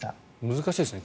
難しいですね。